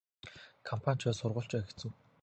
Компани ч бай сургууль ч бай хэцүү.